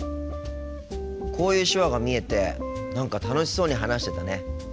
こういう手話が見えて何か楽しそうに話してたね。